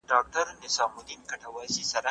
زه غواړم چې د نویو روبوټونو د حرکت په اړه تجربه وکړم.